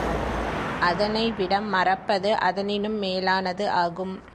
அதனைவிட மறப்பது அதனினும் மேலானது ஆகும்.